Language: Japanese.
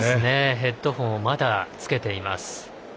ヘッドフォンをまだ着けています。